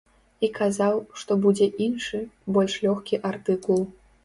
І казаў, што будзе іншы, больш лёгкі артыкул.